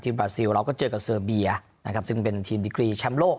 บาซิลเราก็เจอกับเซอร์เบียนะครับซึ่งเป็นทีมดิกรีแชมป์โลก